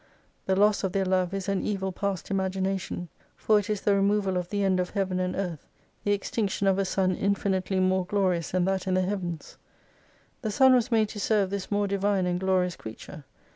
The loss of their love is an evil past imagina tion, for it is the removal of the end of Heaven and Earth, the extinction of a Sun infinitely more glorious than that in the Heavens. The Sun was made to serve this more divine and glorious creature.